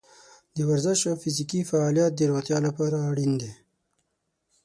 د ورزش او فزیکي فعالیت د روغتیا لپاره اړین دی.